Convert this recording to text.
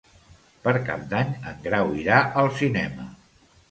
Per Cap d'Any en Grau irà al cinema.